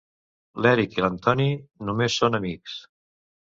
L'Eric i l'Antoni només són amics.